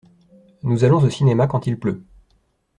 Nous allons au cinéma quant il pleut.